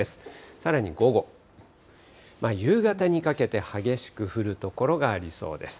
さらに午後、夕方にかけて激しく降る所がありそうです。